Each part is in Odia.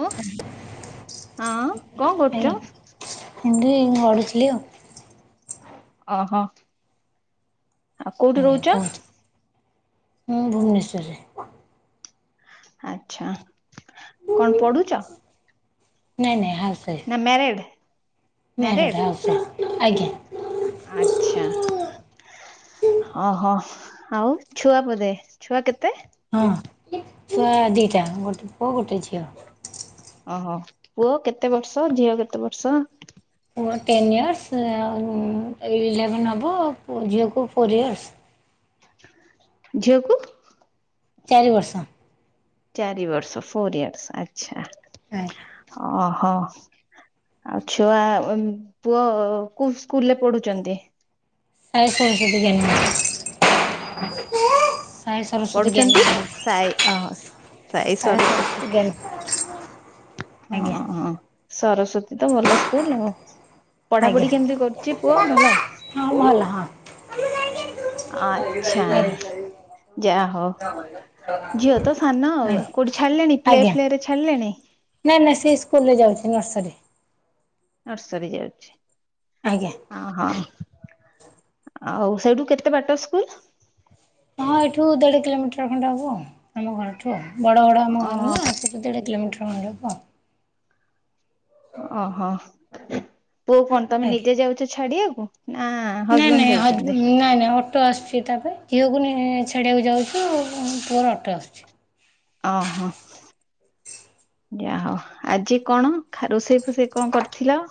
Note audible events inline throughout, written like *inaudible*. ଓ ହଁ କଣ ଆୟାଁ। କରୁଛ? ହିନ୍ଦି ଗଢିଥିଲି ଆଉ। ଅ ହ, ଆଉ କୋଉଠି ଆଜ୍ଞା ରହୁଛ? କୁହନ୍ତୁ। ମୁଁ ଭୁବନେଶ୍ୱରରେ। ଆଚ୍ଛା, କଣ ପଢୁଛ? ନାଇଁ ନାଇଁ ହାଲ। ନା ମ୍ୟାରେଡ। ମ୍ୟାରେଡ ହାଉସ୍ ୱାଇଫ୍, ଆଜ୍ଞା। ଆଚ୍ଛା। ଓହୋ! ଆଉ ଛୁଆ ପଦେ! ଛୁଆ କେତେ ହଁ, ଛୁଆ ଦିଟା ଗୋଟେ ପୁଅ ଗୋଟେ ଝିଅ। ଓହୋ! ପୁଅ କେତେ ବର୍ଷ ଝିଅ କେତେ ବର୍ଷ? ପୁଅ ଟେନ୍ ଇୟର୍ସ ଆଉ ଏଇ ଇଲେଭେନ୍ ହେବ ପୁଅ -ଝିଅକୁ ଫୋର ଇୟର୍ସ। ଝିଅକୁ। ଚାରି ବର୍ଷ। ଚାରି ବର୍ଷ ଫୋର୍ ଇୟର୍ସ ଆଚ୍ଛା। ଆଜ୍ଞା। ଓହୋ। ଆଉ ଛୁଆ ପୁଅ କୋଉ ସ୍କୁଲ୍ ରେ ପଢୁଛନ୍ତି? *unintelligible* ଆହେ ସରସ୍ଵତୀ ପଢୁଛନ୍ତି ଜ୍ଞାନ। ଆହେ ସାଇ ଅ ସରସ୍ଵତୀ ଜ୍ଞାନ ହଁ ଆଜ୍ଞା ହଁ ସରସ୍ଵତୀ ତ ଭଲ ସ୍କୁଲ୍ ଆଉ। ପଢାପଢି ଆଜ୍ଞା କେମିତି କରୁଛି ପୁଅ ଭଲ। ହଁ ଭଲ ହଁ ଆଚ୍ଛା। ଆଜ୍ଞା। ଯାହଉ ଝିଅ ତ ସାନ ଆଉ କୋଉଠି ଛାଡିଲେଣି ପ୍ଲେ ଆଜ୍ଞା ଫ୍ଲେରେ ଛାଡିଲେଣି। ନାଇଁ ନାଇଁ ସେ ସ୍କୁଲରେ ଯାଉଛି ନର୍ସରୀ। ନର୍ସରୀ ଯାଉଛି ଆଜ୍ଞା। ଓହୋ। ଆଉ ସେଇଠୁ କେତେ ବାଟ ସ୍କୁଲ୍। ହଁ ଏଠୁ ଦେଢ କିଲୋମିଟର ଖଣ୍ଡେ ହବ। ଆମ ଘରଠୁ ବଡ ବଡ ଆମ ଘର ଓହୋ ନା ସେଠୁ ଦେଢ କିଲୋମିଟର ହବ। ଓହୋ ପୁଅକୁ କଣ ତମେ ଆଜ୍ଞା। ନିଜେ ଯାଉଛ ଛାଡିବାକୁ। ନା ନାଇଁ ହଜବେଣ୍ଡ ନାଇଁ ହଜ ଯାଉଛନ୍ତି ନାଇଁ ନାଇଁ ଅଟୋ ଆସୁଛି ତା ପାଇଁ। ଝିଅକୁ ନେଇ ଛାଡିବାକୁ ଯାଉଛୁ। ଆଉ ପୁଅର ଅଟୋ ଆସୁଛି। ଓ ହୋ। ଯା ହୋଉ ଆଜି କଣ ଖା ରୋଷେଇ ଫୋଷେଇ କଣ କରିଥିଲ?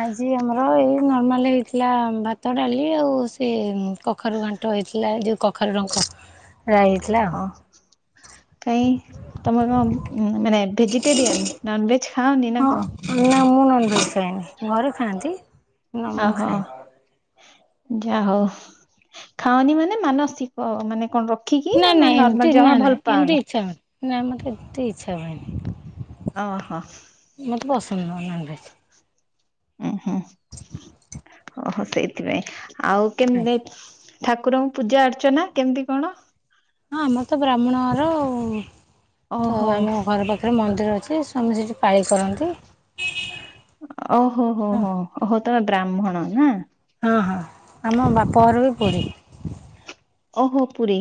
ଆଜି ଆମର ଏଇ ନର୍ମାଲ ହେଇଥିଲା ଭାତ ଡାଲି ଆଉ ସେ କଖାରୁ ଘାଣ୍ଟ ହେଇଥିଲା ଯେଉଁ କଖାରୁ ଡଙ୍କ। *inaudible* ରାଇ ହେଇଥିଲା ହ ଆଉ। *inaudible* କାଇଁ ତମର କଣ ମାନେ ଭେଜିଟେରିୟାନ୍ ନନ୍ ଭେଜ୍ ଖାଆନି ନା ହଁ କଣ। ନା ମୁଁ ଖାଏନି ଘରେ ଖାଆନ୍ତି ନାଁ ମୁଁ ଖାଏନି। ଯା ହଉ ଖାଅନି ମାନେ ମାନସିକ ମାନେ କଣ ରଖିକି ନା ନା ନର୍ମାଲ ଏମିତି ଜମା ନା ଭଲ ନାଇଁ ପାଅନି ଏମିତି ଇଚ୍ଛା ହ ନା ମତେ ମତେ ଇଚ୍ଛା ହୁଏନି। ଓହୋ ମତେ ପସନ୍ଦ ନୁହେଁ ନନଭେଜ୍। ଉଁ ହୁଁ ଓହୋ ସେଇଥିପାଇଁ। ଆଉ କେମତି ଆଜ୍ଞା। ଠାକୁରଙ୍କୁ ପୂଜା ଅର୍ଚ୍ଚନା କେମତି କଣ। ହଁ ଆମର ତ ବ୍ରାହ୍ମଣ ଘର ଆଉ। ତ ଓହୋ ଆମ ଘର ପାଖରେ ମନ୍ଦ ମନ୍ଦିର ଅଛି। ସ୍ୱାମୀ ସେଠି ପାଳି କରନ୍ତି। ଓହୋ ହୋ ହଁ ହୋ ଓହୋ ତମେ ବ୍ରାହ୍ମଣ ନା। ହଁ ହଁ ଆମ ବାପ ଘର ବି ପୁରୀ। ଓହୋ ପୁରୀ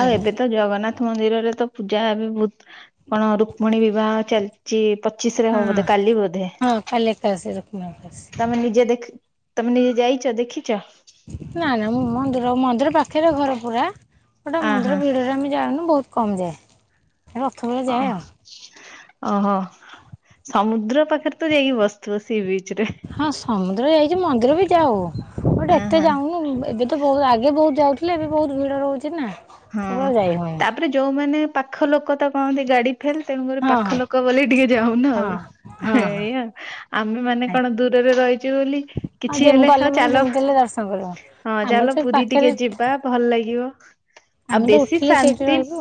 ଆଉ ଆଜ୍ଞା ଏବେ ତ ଜଗନ୍ନାଥ ମନ୍ଦିରରେ ତ ପୂଜା ବି ବହୁତ କଣ ରୁକ୍ମଣୀ ବିବାହ ଚାଲିଛି। ପ ପଚିଶିରେ ହଉ ହଁ। ବଧେ କାଲି ବଧେ। ହଁ କାଲି ଏକାଦଶୀ ରୁକ୍ମଣୀ ଏକାଦଶୀ ତମେ ନିଜେ ଦେଖ ତମେ ନିଜେ ଯାଇଚ ଦେଖିଛ। ନା ନା ମୁଁ ମନ୍ଦିର ମନ୍ଦିର ପାଖରେ ଘର ପୁରା। ଗୋଟେ ଆଁ ମନ୍ଦିର ହଁ ଭିଡରେ ଆମେ ଯାଉନୁ। ବହୁତ କମ ଯାଏ ରଥ ବଳେ ଯାଏ ଆଉ। ଓହୋ ସମୁଦ୍ର ପାଖରେ ତ ଯାଇକି ବସଥିବ ସି ବିଚ୍ ରେ। ହଁ ସମୁଦ୍ର ଯାଇଛି ମନ୍ଦିର ବି ଯାଉ। ଗୋଟେ ହଁ ଏତେ ହଁ ଯାଉନୁ ଏବେ ତ ବହୁତ ଆଗେ ବହୁତ ଯାଉ। ଥିଲେ ବି ବହୁତ ଭିଡ ରହୁଛି ନା। ହଁ କେବେ ଆଉ ଯାଇ ହଉନି। ତାପରେ ଯୋଉମାନେ ପାଖ ଲୋକ ତ କହନ୍ତି ଗାଡି ଫେଲ ତେଣୁ କରି ହଁ ହଁ ପାଖ ଲୋକ ବୋଲି ଟିକେ ଯାଉନ ହଁ ଆଉ। ହଁ ହଁ ଏଇଆଉ ଆମେ ମାନେ କଣ ଆଜ୍ଞା ଦୂର ରହିଛି ବୋଲି ହଁ କିଛି ଯେମ ହେଲେ ଗଲେ ହଉ ମାନେ ଚାଲ ଯେମିତି ହେଲେ ଦର୍ଶନ କରିବ। ହଁ ଆମର ଚାଲ ସେ ପୁରୀ ଟିକେ ପାଖରେ ଯିବା। ଭଲ ଲାଗିବ। ଆଉ ଆମେ ତ ବେଶୀ ଉଠିଲେ ସେଇଠି ଶାନ୍ତି ରହିବୁ।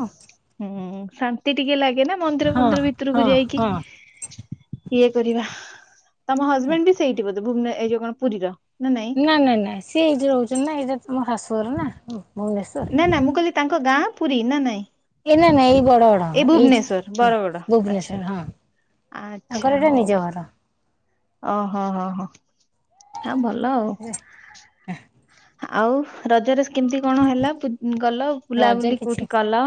ହୁଁ ଶାନ୍ତି ଟିକେ ଲାଗେ ନା ମନ୍ଦିର ହଁ ଫନ୍ଦିର ହଁ ଭିତରକୁ ଯାଇକି ହଁ। ଇଏ କରିବା ତମ ହଜବେଣ୍ଡ ବି ସେଇଠି ବୋଧେ ଭୁବନ ଏଇ ଯୋଉ କଣ ପୁରୀର ନାଇଁ ନାଇଁ ନାଇଁ ସିଏ ଏଇଠି ରହୁଛନ୍ତି ନା ଏଇଟା ତ ମୋ ଶାଶୁ ଘର ନା ଭୁବନେଶ୍ଵର। ନା ନା ମୁଁ କହିଲି ତାଙ୍କ ଗାଁ ପୁରୀ ନା ନାଇଁ। ଏ ନାଇ ନାଇଁ ଏଇ ବ ଏଇ *inaudible* ଏଇଠି ଭୁବନେଶ୍ଵର ହୁଁ ବରଗଡ ଆଚ୍ଛା ଭୁବନେଶ୍ଵର ହଁ ଆଚ୍ଛା ତାଙ୍କର ଏଇଟା ହଉ ନିଜ ଘର। ଓହୋ ଓହୋ ହ ଭଲ ଆଉ ଆଉ ରଜରେ ସ କେମିତି କଣ ହେଲା ଗଲ ରଜ ବୁଲାବୁଲି କୋଉଠି କଲ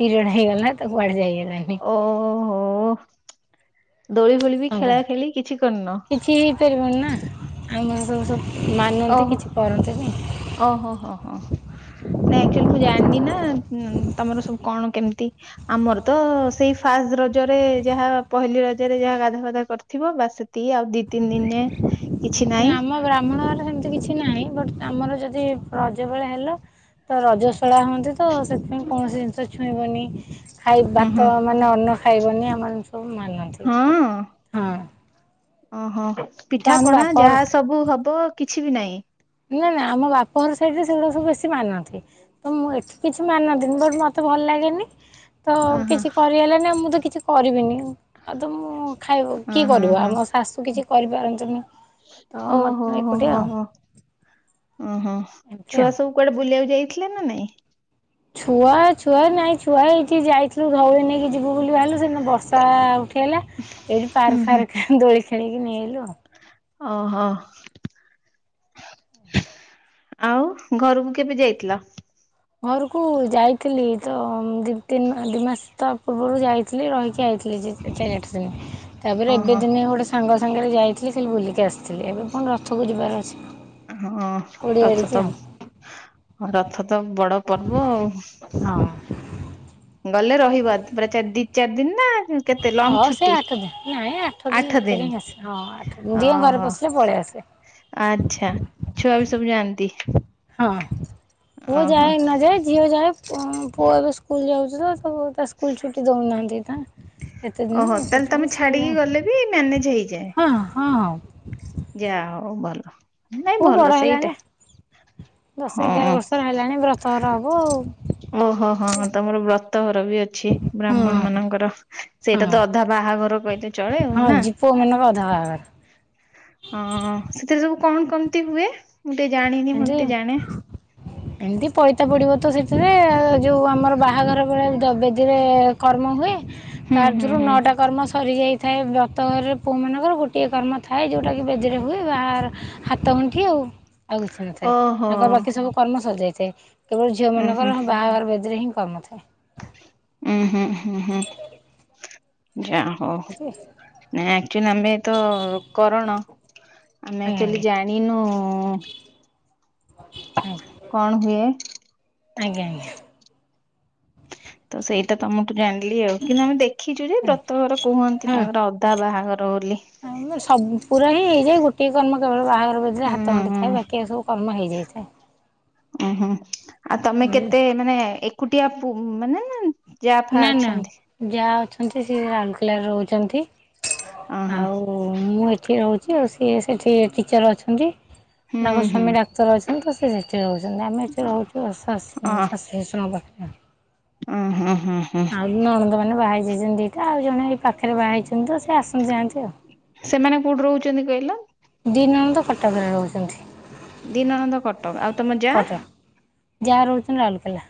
ପିରିୟଡ଼ ହେଇଗଲା ତ କୁଆଡେ ଯାଇ ହେଲାନି। ଓହୋ। ଦୋଳି ଫୋଳି ବି ହଁ ପା ଖେଳା ଖେଳି କିଛି କରିନ? କିଛି ହେଇପାରିବନି ନା। *inaudible* ମାନନ୍ତି ଓହୋ କିଛି କରନ୍ତିନି। ଓହୋ ହୋ ହୋ *unintelligible* ନାଇଁ ଆକ୍ଚୁଆଲି ମୁଁ ଜାଣିନି ନା ତମର ସବୁ କଣ କେମିତି ଆମର ତ ସେଇ ଫାସ ରଜରେ ଯାହା ପହିଲି ରଜରେ ଯାହା ଗାଧା ଫାଧା କରିଥିବ ବାସ ସେତିକି ଆଉ ଦି ତିନି ଦିନ ଯାଏ କିଛି ନାଇ ନାହିଁ ଆମ ବ୍ରାହ୍ମଣ ଘରେ ସେମିତି କିଛି ନାଇଁ ବଟ ଆମର ଯଦି ରଜ ବେଳେ ହେଲ ତ ରଜ ସଳା ହୁଅନ୍ତି ତ ସେଥିପାଇଁ କୌଣସି ଜିନିଷ ଛୁଇଁବନି ଖାଇ ଉଁ ହୁଁ ଭାତ ମାନେ ଅର୍ଣ୍ଣ ଖାଇବନି ଆମ ହଁ ଓହୋ। ତ ଆମ ପିଠାପଣା ବାପଘର ଯାହା ସବୁ ହବ କିଛି ବି ନାହିଁ। ନା ନା ଆମ ବାପଘର ସାଇଟିରେ ସେଗୁଡା ସବୁ ବେଶୀ ମାନନ୍ତି ତ ମୁଁ ଏଠି କିଛି ମାନନ୍ତିିନି ବଟ ମତେ ଭଲ ଲାଗେନି ତ ଓହୋ କିଛି କରିହେଲାନି ଆଉ ମୁଁ ତ କିଛି କରିବିନି ଆଉ ତ ମୁଁ ଖାଇବ କିଏ ଓହୋ କରିବ ଆମ ଶାଶୁ କିଛି କରିପାରନ୍ତିନି। ତ ମତ ଓହୋ ଏକୁଟିଆ ଆଉ। ଓହୋ ଓହୋ ଏମିତି ଛୁଆ ଆଉ ସବୁ କୁଆଡେ ବୁଲିବାକୁ ଯାଇଥିଲେ ନା ନାଇଁ। ଛୁଆ ଛୁଆ ନାଇଁ ଛୁଆ ଏଇଠି ଯାଇଥିଲୁ ଧଉଳି ନେଇକି ଯିବୁ ବୋଲି ବାହାରିଲୁ ସେ ଦିନ ବର୍ଷା ଉଠିଗଲା ଏଠି ହୁଁ ପାର୍କ ହୁଁ ଫାର୍କ ଦୋଳି ଖେଳିକି ନେଇଆଇଲୁ ଆଉ। ଓହୋ। ଆଉ ଘରକୁ କେବେ ଯାଇଥିଲ। ଘରକୁ ଯାଇଥିଲି ତ ଦି ତିନି ମାସ ଦି ମାସ ତା ପୂର୍ବରୁ ଯାଇଥିଲି ରହିକି ଆଇଥିଲି। ଲି ଯିବି ଫେର ଆଠ ଦିନି। ତାପରେ ଏବେ ଓହୋ ଦିନେ ଗୋଟେ ସାଙ୍ଗ ସାଙ୍ଗରେ ଯାଇଥିଲି ଖାଲି ବୁଲିକି ଆସିଥିଲି ଏବେ ପୁଣି ରଥକୁ ଯିବାର ଅଛି। ହଁ କୋଡିଏ ରଥ ଆଡିକି ତ ଆଉ ରଥ ତ ବଡ ପର୍ବ ଆଉ। ହଁ। ଗଲେ ରହିବ ପୁରା ଚାରି ଦିନ ଦି ଚାରି ଦିନ ନା କେତେ ଲଙ୍ଗ ହଉ ସେ ଛୁଟି? ଆଠ ଦିନ ନାଇଁ ଆଠ ଦିନ ଭିତରେ ହିଁ ଆସେ ହଁ ଆଠ ଦିନ ଦିଅ ଘରେ ପଶିଲେ ପଳେଇ ଆସେ। ଆଛା ଛୁଆ ବି ସବୁ ଯାଆନ୍ତି। ହଁ ପୁଅ ଓହୋ ଯାଏ ନଯାଏ ଝିଅ ଯାଏ ପୁଅ ଏବେ ସ୍କୁଲ ଯାଉଛି ତ ଆଉ ତା ସ୍କୁଲ ଛୁଟି ଦଉନାହାନ୍ତି ତା ଏତ ଓହୋ ଦିନେ ତାହେଲେ ତମେ ସେଥିପାଇଁ ସେ ଛାଡିକି ଗଲେ ବି ହ ହଁ। ଯାହା ହଉ ଭଲ ନାଇଁ ପୁଅ ଭଲ ବଡ଼ ସେଇଟା ହେଲାଣି ଦଶ ହଁ ଏଗାର ବର୍ଷର ହେଲାଣି ବ୍ରତଘର ହବ ଆଉ ଓହୋ ହଁ ହଁ ତମର ବ୍ରତଘର ବି ଅଛି ବ୍ରାହ୍ମଣ ହଁ ମାନଙ୍କର ସେଇଟା ହଁ ତ ଅଧା ବା ବାହାଘର କହିତେ ଚଳେ ଆଉ ହଁ ନା। ଜି ଅଧା ପୁଅମାନଙ୍କ ବାହାଘର। ହଁ ସେଥିରେ ସବୁ କଣ କେମିତି ହୁଏ। ମୁଁ ଟିକେ ଜାଣିନି ମୁଁ ଏମିତି ଟିକେ ଜାଣେ ଏମିତି ପଇତା ପଡିବ ତ ସେଠି ତିବେ ଆଉ ଆ ଯୋଉ ଆମର ବାହାଘର ଭଳିଆ ବେଦୀରେ କର୍ମ ହୁଏ। ହୁଁ ତା ହୁଁ ଧୁରୁ ହୁଁ ନଅଟା କର୍ମ ସରିଯାଇ ଥାଏ ବ୍ରତ ଘରରେ ପୁଅମାନଙ୍କର ଗୋଟିଏ କର୍ମ ଥାଏ ଯୋଉଟା କି ବେଦିରେ ହୁଏ ବାହାଘର ହାତ ଗଣ୍ଠି ଆଉ। ଆଉ କିଛି ନଥାଏ ଓହୋ ତାଙ୍କ ବାକି ସବୁ କର୍ମ ସରିଯାଇ ଥାଏ କେବଳ ଉୁଁ ହୁଁ ଝିଅମାନଙ୍କର ହଁ ବାହାଘର ବେଦିରେ ହିଁ କାମ ଥାଏ। ହୁଁ ହୁଁ ହୁଁ ହୁଁ ଯା ହଉ। ଏମିତି ନାଇଁ ଆକ୍ଚୁଆଲି ଆମେ ତ କରଣ ଆମେ ଏକ୍ଟୁଲି ଆଜ୍ଞା ଜାଣିନୁ। କଣ ହୁଏ। ଆଜ୍ଞା ଆଜ୍ଞା। ତ ସେଇଟା ତମଠୁ ଜାଣ ଲି ଆଉ କିନ୍ତୁ ଆମେ ଦେଖିଚୁ ଯେ ବ୍ରତ ଘର କୁହନ୍ତି ହଁ ତାଙ୍କର ଅଧା ବାହାଘର ବୋଲି। ଉଁ ପୁରା ହିଁ ହେଇଯାଏ ଗୋଟଏ କାମ କେବଳ ବାହାଘର ବେଦୀରେ ହୁଁ ହାତ ଗଣ୍ଠି ହୁଁ ଥାଏ ବାକି ଏ ସବୁ କର୍ମ ହେଇଯାଇଥାଏ। ଉଁ ହୁଁ ଆଉ ତମେ କେତେ ମାନେ ଏକୁଟିଆ ପୁ ମାନେ ଯା ଫା ନାଁ ଅଛନ୍ତି? ନାଁ ଯାହା ଅଛ୍ ଅନ୍ତି ସିଏ ରାଉଲକେଲାରେ ରହୁଚନ୍ତି ଅହଁ ଆଉ ମୁଁ ଏଠି ରହୁଚି ଆଉ ସେ ଇଏ ସେଠି ଟିଚର୍ ଅଛନ୍ତି ହୁଁ ତାଙ୍କ ହୁଁ ସ୍ୱାମୀ ଡାକ୍ତର୍ ଅଛନ୍ତି ତ ସିଏ ସେଠି ରହୁ ଚନ୍ତି ଆମେ ଏଠି ଅ ରହୁଚୁ ଆଉ ଶା ଶାଶୁ ଶଶୁରଙ୍କ ପାଖରେ। ଅଁ ହଁ। ଆଉ ନଣନ୍ଦମାନେ ବାହା ହେଇଯାଇଚନ୍ତି ଦିଇଟା ଆଉ ଜଣେ ଏଇ ପାଖରେ ବାହା ହେଇଚି। କିନ୍ତୁ ସେ ଆସନ୍ତି ଯାଆନ୍ତି ସେମାନେ କୋଉଠି ରହୁଛନ୍ତି କହିଲ? ଆଉ। ଦି ନଣନ୍ଦ କଟକରେ ରହୁଚନ୍ତି। ଦି ନଣନ୍ଦ କଟକ ଆଉ ତମ ଯା? ଯା ରହୁଚନ୍ତି ରାଉଲକେଲା।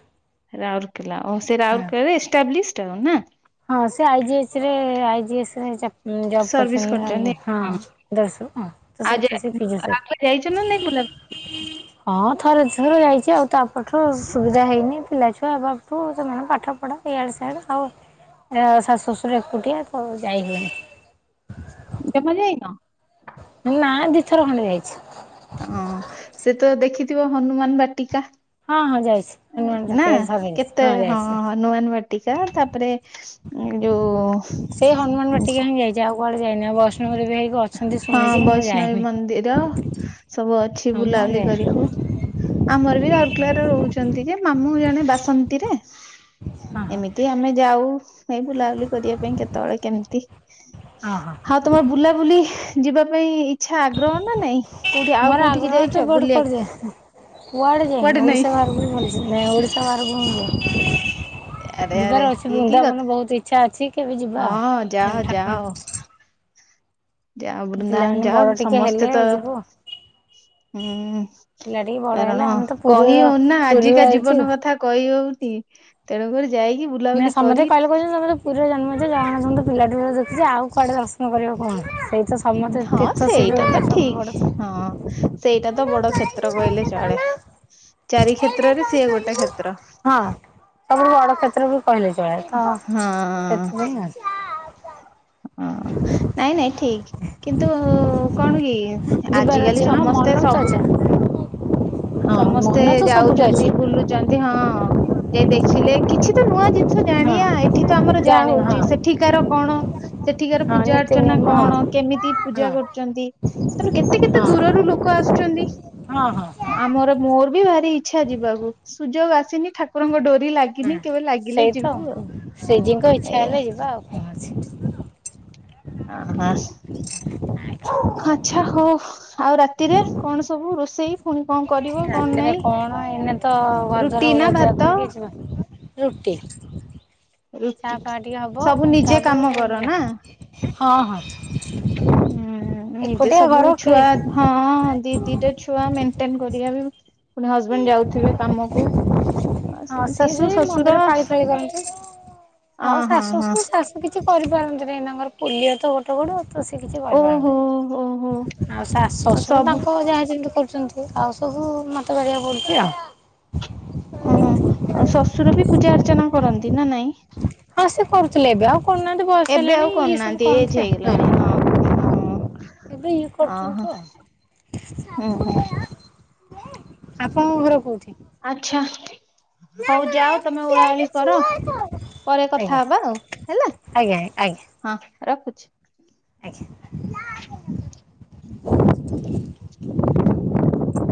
ରାଉରକେଲା ଓ ସେ ରାଉରକେଲାରେ ଏଷ୍ଟାବ୍ଲିସଡ ଆଉ ନାଁ? ହଁ ସେ ଆଇ ଜି ଏଚ୍ ରେ ଆଇ ଜି ଏଚ୍ ରେ ଚା ଉଁ ଜବ୍ ସର୍ଭିସ କରୁଚନ୍ତି ଆ କରୁଛନ୍ତି ହଁ ଦେର୍ଶୁ ତ ଆଉ ଯା ସେଠି ସେ ଫିଜିସି ରାଉରକେଲା ଯାଇଛ ନା ନାଇଁ ବୁଲା ହଁ। ଥରେ ଥରେ ଯାଇଚି ଆଉ ତାପଠରୁ ସୁବିଧା ହେଇନି ପିଲାଛୁଆ ହେବାଠୁ ସେମାନେ ପାଠ ପଢ଼ା ଏଆଡ଼େ ସି ତାହା ବି ଆଉ ଅ ଶାଶୁ ଶଶୁର ଏକୁଟିଆ ତ ଯାଇ ହୋଉନି। ଜମା ଯାଇନ? ନାଁ ଦି ଥର ଖଣ୍ଡେ ଯାଇଛି। ହଁ ସେ ତ ଦେଖିଥିବ ହନୁମାନ ବାଟିକା? ହଁ ହଁ ଯାଇଛି ଏ ହନୁମାନ ନାଁ ବାଟିକା ଥରେ ଯାଇଛି କେତେ ହଁ ଯାଇଛି ହନୁମାନ ବାଟିକା ତାପରେ ଯୋଉ ସେଇ ହନୁମାନ ବାଟିକା ହିଁ ଯାଇଚି ଆଉ କୁଆଡ଼େ ଯାଇନି ବୈଷ୍ଣବରୁ ବି ହେଇ ହଁ ବୈଷ୍ଣବୀ ମନ୍ଦିର ସବୁ ଅଛି। ଚି ହଁ ମୁଁ ଆଉ ବୁଲାବୁଲି ଯାଇନି କରିବାକୁ ଆମର ବି ରାଉରକେଲାରେ ରହୁଚନ୍ତି। ଏ ମାମୁଁ ଜଣେ ବାସନ୍ତିରେ ହଁ ହଁ ଏମିତି ଆମେ ଯାଉ ହେଇ ବୁଲାବୁଲି କରିବା ପାଇଁ କେତୋଳେ କେମତି ହଁ ହଁ ଆଉ ତମେ ବୁଲାବୁଲି ଯିବା ପାଇଁ ଇଚ୍ଛା ଆଗ୍ରହ ନାଁ ନାଇଁ? କୋଉଠି ଆଉ ମୋର କୋଉଠିକି ଆଗ୍ରହଟେ ଯାଇଛ ବଡ଼ ବୁଲିବାକୁ କୁଆଡ଼େ ଯାଏ କୁଆଡ଼େ କୁଆଡେ ଯାଇନି ନାଇଁ ଓଡ଼ିଶା ବାହାରୁକୁ ବି ଭଲସେ ନାଇଁ ଓଡ଼ିଶା ବହାରୁକୁ ମୁଁ ଯା ଆରେ ଆରେ ଯିବାର ଅଛି ଇଏ କି ବୃନ୍ଦାବନ କଥା। ବହୁତ ଇଚ୍ଛା ଅଛି। କେବେ ଯିବା ହଁ ଆଉ ଯେବେ ଯାଅ ଯାଅ ଠାକୁର ଯାଅ ବୃନ୍ଦାବନ ପିଲାମାନେ ଯାଅ ବଡ ଟିକେ ସମସ୍ତେ ହେଲେ ତ ଯିବୁ ହୁଁ ପିଲା ଟିକେ ବଡ ହେଲେ କାରଣ ଆମେ ତ କହି ପୁରୀର ହଉନି ନାଁ ପୁରୀରୁ ଆଜିକା ଆଇଛୁ। ଜୀବନ କଥା କହି ହୋଉ ଟି ତେଣୁ କରି ନାଁ ସମତେ କଲ୍ କରୁଚନ୍ତି ତମେ ତ ପୁ ରେ ଜନ୍ମ ହେଇଚ ଯା ହେନେ ତମେ ତ ପିଲାଟି ବେଳୁ ଦେଖୁଚ ଆଉ କୁଆଡ଼େ ଦର୍ଶନ କରିବ କଣ ସେଇ ତ ସମସ୍ତେ ହଁ ତୀର୍ଥ ସେଇ ସେଇଟା ତ ସବୁଠୁ ଠିକ ବଡ ତ। ହଁ। ସେଇଟା ତ ବଡ କ୍ଷେତ୍ର କହିଲେ ଚଳେ ଚାରି କ୍ଷେତ୍ର। କ୍ଷେତ୍ରରେ ସିଏ ଗୋଟେ କ୍ଷେତ୍ର। ସବୁ ବଡ କ୍ଷେତ୍ର ବି କହିଲେ ଚଳେ ତ ହଁ ସେଥିପାଇଁ ଆଉ। ହଁ। ନାଇଁ ନାଇଁ ଠିକ କିନ୍ତୁ କଣ କି ଯିବାର ଅଛି ଆଜିକାଲି ହଁ ସମସ୍ତେ ମନକୁ ତ ସବୁ। ଯା ହଁ ସମସ୍ତେ ମନ ତ ସବୁଠି ଯାଉଛନ୍ତି ଅଛି ବୁଲୁଛନ୍ତି ହଁ ଯାଇ ଦେଖିଲେ କିଛି ତ ନୂଆ ଜିନିଷ। ତ ହଁ ଜାଣଆ ଏଠି ତ ଆମର ଯାହା ଜାଣିବ ହଁ ହଉଛି ସେଠିକାର କଣ। ସେଠିକାର ହଁ ପୂଜା ନୀତି ଅର୍ଚ୍ଚନା ନିୟମ ହଁ କଣ କେମିତି ହଁ ପୂଜା କରୁଛନ୍ତି ତାପର କେତେ କେତେ ହଁ ଦୂରରୁ ଲୋକ। ଆସୁଛନ୍ତି। ହଁ ହଁ। ମୋର ବି ଭାରି ଇଚଛା ଯିବାକୁ ସୁଯୋଗ ଆସିନି ଠାକୁରଙ୍କ ଡୋରି ଲାଗିନି କେବେ ଲାଗିଲେ ସେଇ ତ ଯିବୁ ଆଉ। ଶ୍ରୀଜୀଙ୍କ ଇଚ୍ଛା ଏଇଆ ହେଲେ ଯିବା ଆଉ କଣ ଅଛି। ଅଁ ହଁସ। ଆଚ୍ଛା ହଉ ଆଉ ରାତିରେ କଣ ସବୁ ରୋଷେଇ ପୁଣି। କଣ କରିବ କଣ ରାତିରେ ନାଇଁ କଣ ଏନେ ତ ଘରଦ ରୁଟି ନା ଓଳିଆ ପଳିଆ ଭାତ କରିକି ଯିବା। ରୁଟି। ରୁଟି ଚା ଫହା ସବୁ ନିଜେ ଟିକେ କାମ କର ନା ହବ ତାପରେ ହଁ ହଁ। ହୁଁ ନିଜେ ଏକୁଟିଆ ସବୁ ଘର କି ଛୁଆ ହଁ ଦିଦି ଦିଟା ଛୁଆ ମେଣ୍ଟେ କରିବା ବି ପୁଣି ହଜବେଣ୍ଡ ଯାଉଥିବେ କାମକୁ। ହଁ ସିଏ ଶାଶୁ ସେ ଶ୍ୱଶୁର ମନ୍ଦିର ପାଳି ଫାଳି କରନ୍ତିୁ ଅ ଆଉ ହଁ ଶାଶୁ ହଁ ସବୁ ଶାଶ କିଛି କିଛି କରିପାରନ୍ତି ନାହିଁ ତାଙ୍କର ପୋଲିଓ ତ ଗୋଟେ ଗୋଡ଼। ତ ସେ କିଛି ଓହୋ ଓହୋ କରିପାରନ୍ତି ଆଉ ଆଉ ଶଶୁର ସବୁ ତାଙ୍କୁ ଯାହା ଯେମିତି କରୁ ଆଉ ସବୁ ମତେ କରିବାକୁ ପଡୁଛି ଆଉ। ଓହୋ ଶଶୁର ବି ପୂଜା ଅର୍ଚ୍ଚନା କରନ୍ତି ନା ନାଇଁ। ହଁ ସେ କରୁଥିଲେ ଏବେ ଆଉ କରୁନାହାନ୍ତି ବୟସ ଏବେ ହେଲାଣି ଆଉ ଇଏ ସବୁ କରୁନାହାନ୍ତି କରନ୍ତି ଏଜ ଆଉ। ହେଇଗଲାଣି ହଁ ହଁ ହଁ। ହଁ। ଏବେ ଇଏ କରୁଛ ଓହୋ ତ। ହୁଁ ହୁଁ। ଆପଣଙ୍କ ଘର କୋଉଠି। ଆଛା। ହଉ ଆଜ୍ଞା ଯାଅ ତମେ ଓଳାଓଳି କର ପରେ ଆଜ୍ଞା କଥା ହବା ଆଉ ହେଲା। ଆଜ୍ଞା। ହଁ ରଖୁଛି। ଆଜ୍ଞା।